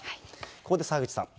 ここで澤口さん。